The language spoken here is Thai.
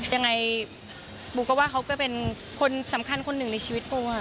ยังไงปูก็ว่าเขาก็เป็นคนสำคัญคนหนึ่งในชีวิตปู